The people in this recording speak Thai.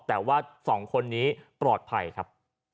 แต่ว่า๒คนนี้ปลอดภัยครับ